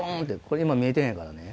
これ今見えてへんからね。